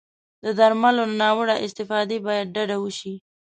د درملو له ناوړه استفادې باید ډډه وشي.